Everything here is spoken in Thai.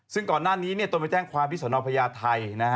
ซึ่งก่อนหน้านี้ตนไปแจ้งความที่สนพญาไทย